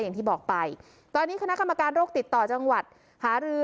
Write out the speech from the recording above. อย่างที่บอกไปตอนนี้คณะกรรมการโรคติดต่อจังหวัดหารือ